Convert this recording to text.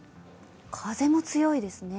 風も強いですね。